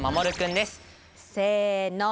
せの！